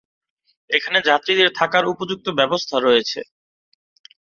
এখানে যাত্রীদের থাকার উপযুক্ত ব্যবস্থা রয়েছে।